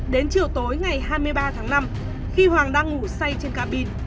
đến chiều tối ngày hai mươi ba tháng năm khi hoàng đang ngủ say trên cabin